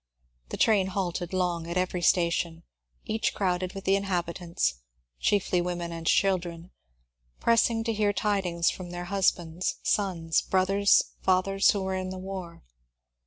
The train halted long at every station, each crowded with the inhabitants, — chiefly women and children, — pressing to hear tidings from their husbands, sons, brothers, fathers, who were in the war.